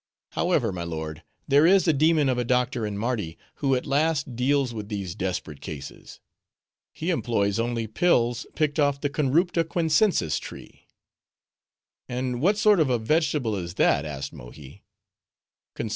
However, my lord, there is a demon of a doctor in Mardi, who at last deals with these desperate cases. He employs only pills, picked off the Conroupta Quiancensis tree." "And what sort of a vegetable is that?" asked Mohi.